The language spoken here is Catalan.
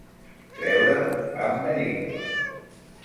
Treure un pam de llengua.